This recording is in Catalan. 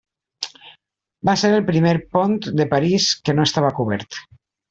Va ser el primer pont de París que no estava cobert.